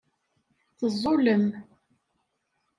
Teẓẓullem.